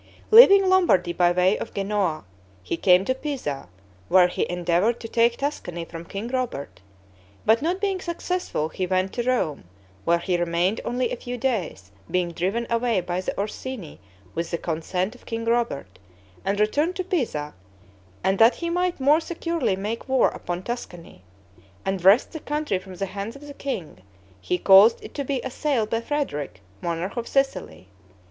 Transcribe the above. Leaving Lombardy by way of Genoa, he came to Pisa, where he endeavored to take Tuscany from King Robert; but not being successful, he went to Rome, where he remained only a few days, being driven away by the Orsini with the consent of King Robert, and returned to Pisa; and that he might more securely make war upon Tuscany, and wrest the country from the hands of the king, he caused it to be assailed by Frederick, monarch of Sicily.